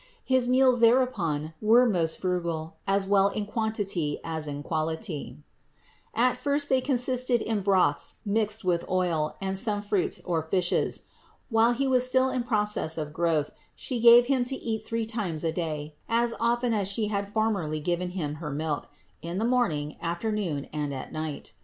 His meals thereupon were most frugal as well in quantity as in quality. At first they consisted in broths mixed with THE INCARNATION 593 oil, and some fruits or fishes. While He was still in process of growth She gave Him to eat three times a day, as often as She had formerly given Him her milk; in the morning, afternoon and at night.